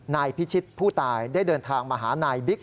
นายพิชิตผู้ตายได้เดินทางมาหานายบิ๊ก